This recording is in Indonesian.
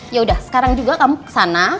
ya udah sekarang juga kamu kesana